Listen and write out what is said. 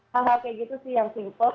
hal hal kayak gitu sih yang simple